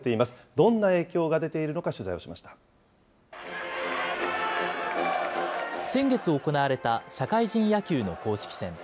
どんな影響が出ているのか、取材先月行われた社会人野球の公式戦。